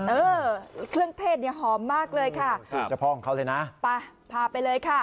เออเครื่องเทศเนี่ยหอมมากเลยค่ะสูตรเฉพาะของเขาเลยนะไปพาไปเลยค่ะ